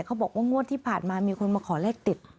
เขาบอกว่างวดที่ผ่านมามีคนมาขอเลขติด